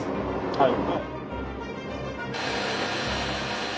はい。